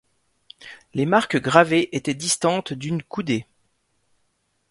Les marques gravées étaient distantes d'une coudée.